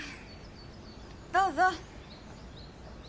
どうぞ。